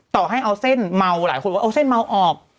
ต่อให้เอาเส้นเมาหลายคนบอกเอาเส้นเมาออก